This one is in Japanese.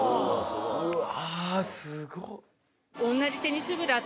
うわすごっ。